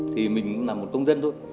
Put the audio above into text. thì mình làm một công dân thôi